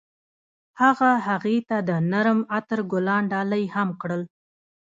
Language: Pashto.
هغه هغې ته د نرم عطر ګلان ډالۍ هم کړل.